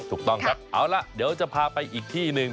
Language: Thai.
ถูกต้องครับเอาล่ะเดี๋ยวจะพาไปอีกที่หนึ่ง